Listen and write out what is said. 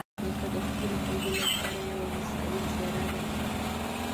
نیکه د خپلو خلکو لپاره یوه مثالي څېره ده.